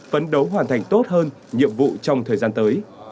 phấn đấu hoàn thành tốt hơn nhiệm vụ trong thời gian tới